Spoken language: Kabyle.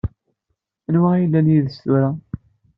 Anwa i yellan yid-s tura?